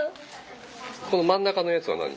この真ん中のやつは何？